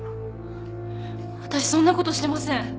私そんな事してません。